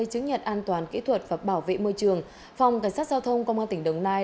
chứng nhận an toàn kỹ thuật và bảo vệ môi trường phòng cảnh sát giao thông công an tỉnh đồng nai